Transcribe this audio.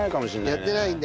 やってないんだ。